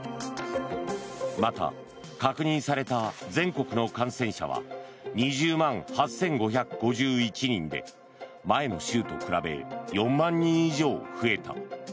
また、確認された全国の感染者は２０万８５５１人で前の週と比べ４万人以上増えた。